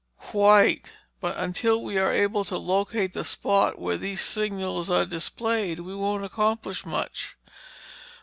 "Quite. But until we are able to locate the spot where these signals are displayed we won't accomplish much."